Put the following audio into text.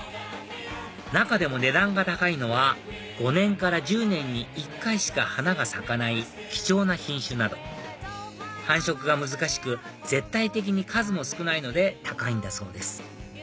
中でも値段が高いのは５年から１０年に１回しか花が咲かない貴重な品種など繁殖が難しく絶対的に数も少ないので高いんだそうです